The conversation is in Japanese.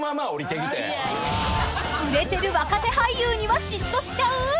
［売れてる若手俳優には嫉妬しちゃう！？］